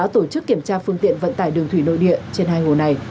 trước kiểm tra phương tiện vận tải đường thủy nội địa trên hai ngồ này